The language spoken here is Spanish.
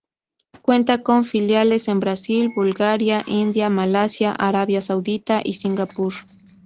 Cuenta con filiales en Brasil, Bulgaria, India, Malasia, Arabia Saudita y Singapur.